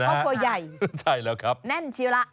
เขาตัวใหญ่แน่นชีวละใช่แล้วครับ